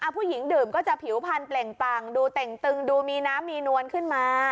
ผู้หญิงดื่มก็จะผิวพันธเปล่งปังดูเต่งตึงดูมีน้ำมีนวลขึ้นมา